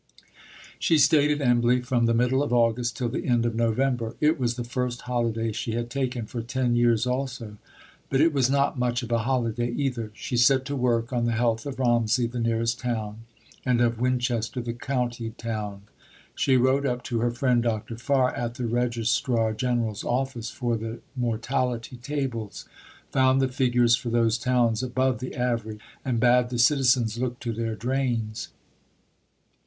She stayed at Embley from the middle of August till the end of November. It was the first holiday she had taken, for ten years also; but it was not much of a holiday either. She set to work on the health of Romsey, the nearest town, and of Winchester, the county town. She wrote up to her friend Dr. Farr at the Registrar General's Office for the mortality tables, found the figures for those towns above the average, and bade the citizens look to their drains.